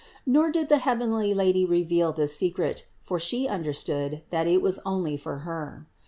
Nor did the heavenly Lady reveal this secret, for She understood, that it was only for Her.